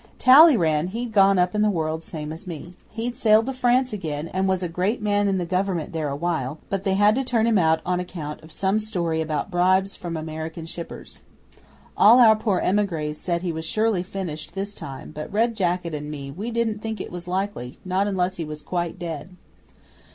'Talleyrand he'd gone up in the world same as me. He'd sailed to France again, and was a great man in the Government there awhile, but they had to turn him out on account of some story about bribes from American shippers. All our poor emigres said he was surely finished this time, but Red Jacket and me we didn't think it likely, not unless he was quite dead.